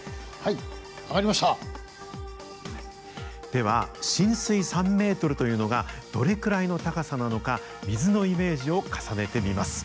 では浸水３ｍというのがどれくらいの高さなのか水のイメージを重ねてみます。